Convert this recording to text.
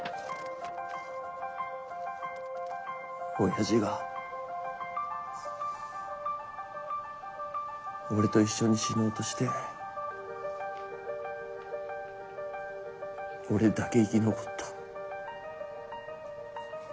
親父が俺と一緒に死のうとして俺だけ生き残った。